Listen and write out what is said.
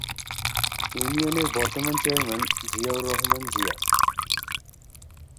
ইউনিয়নের বর্তমান চেয়ারম্যান জিয়াউর রহমান জিয়া।